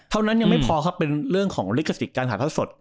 เท่านั้นยังไม่พอครับเป็นเรื่องของฤกษิการถ่ายทอดสด